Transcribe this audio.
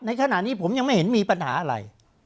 ขณะนี้ผมยังไม่เห็นมีปัญหาอะไร